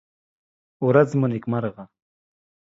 ورڅ مو نېکمرغه!